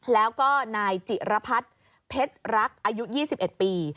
แล้วก็นายจิรพัฒน์เพชรรักอายุ๒๑ปี